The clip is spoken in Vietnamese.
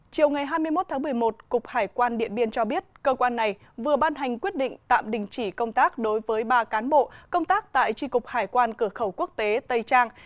chiều ngày hai mươi một tháng một mươi một cục hải quan điện biên cho biết cơ quan này vừa ban hành quyết định tạm đình chỉ công tác đối với ba cán bộ công tác tại tri cục hải quan cửa khẩu quốc tế tây trang